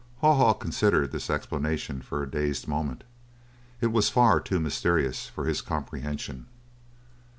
Haw Haw considered this explanation for a dazed moment. It was far too mysterious for his comprehension.